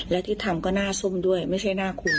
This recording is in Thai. และที่ทำก็หน้าซุ่มด้วยไม่ใช่หน้าคุณ